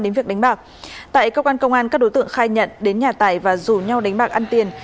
đến việc đánh bạc tại cơ quan công an các đối tượng khai nhận đến nhà tài và rủ nhau đánh bạc ăn tiền